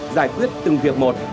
giải quyết từng việc một